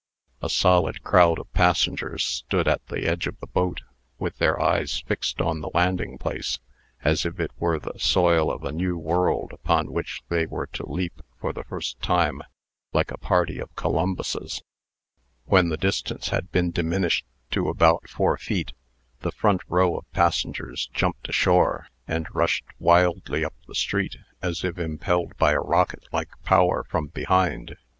A solid crowd of passengers stood at the edge of the boat, with their eyes fixed on the landing place, as if it were the soil of a new world upon which they were to leap for the first time, like a party of Columbuses When the distance had been diminished to about four feet, the front row of passengers jumped ashore, and rushed wildly up the street, as if impelled by a rocket like power from behind.